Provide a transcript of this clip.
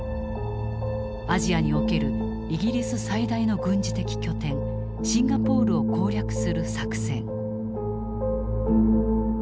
アジアにおけるイギリス最大の軍事的拠点シンガポールを攻略する作戦。